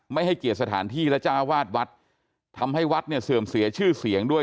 ให้เกียรติสถานที่และจ้าวาดวัดทำให้วัดเนี่ยเสื่อมเสียชื่อเสียงด้วย